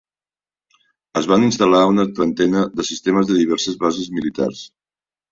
Es van instal·lar una trentena de sistemes a diverses bases militars.